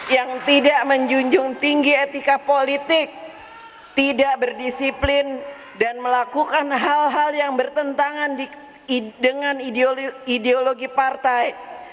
yang tidak menjunjung tinggi etika politik tidak berdisiplin dan melakukan hal hal yang bertentangan dengan ideologi partai